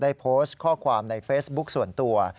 ได้โพสต์ข้อความในเฟซบุ๊คส่วนตัว